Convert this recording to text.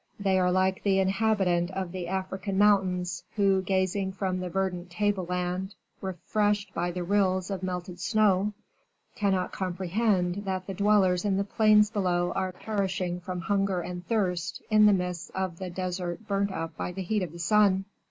They are like the inhabitant of the African mountains, who, gazing from the verdant tableland, refreshed by the rills of melted snow, cannot comprehend that the dwellers in the plains below are perishing from hunger and thirst in the midst of the desert, burnt up by the heat of the sun."